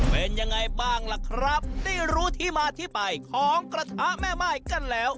เป็นยังไงบ้างล่ะครับได้รู้ที่มาที่ไปของกระทะแม่ม่ายกันแล้ว